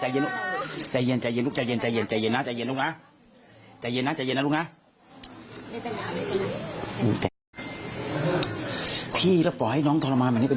ทรมานแบบนี้เป็นปีอะไรหรือ